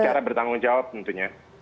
secara bertanggung jawab tentunya